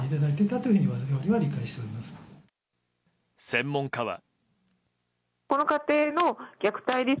専門家は。